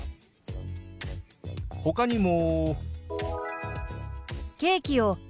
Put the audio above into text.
ほかにも。